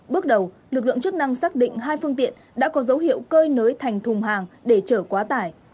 bước đầu lực lượng chức năng xác định hai phương tiện đã có dấu hiệu cơi nới thành thùng hàng để chở quá tải